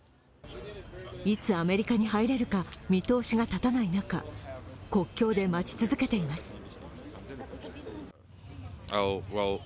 いつアメリカに入れるか見通しが立たない中、国境で待ち続けています。